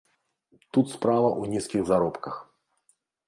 Тут справа ў нізкіх заробках.